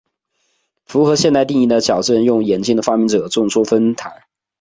符合现代定义的矫正用眼镜的发明者众说纷纭。